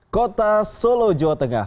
kota solo jawa tengah